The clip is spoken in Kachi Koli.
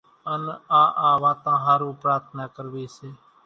ان آ آ واتان ۿارُو پرارٿنا ڪروي سي